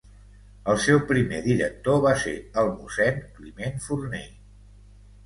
El seu primer director va ser el mossèn Climent Forner.